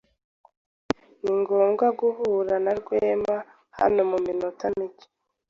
Ningomba guhura na Rwema hano muminota mike.